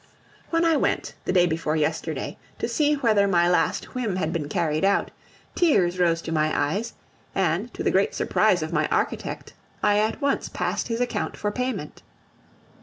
When I went, the day before yesterday, to see whether my last whim had been carried out, tears rose to my eyes; and, to the great surprise of my architect, I at once passed his account for payment.